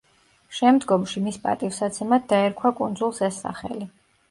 შემდგომში მის პატივსაცემად დაერქვა კუნძულს ეს სახელი.